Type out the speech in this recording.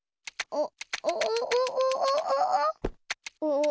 あっ！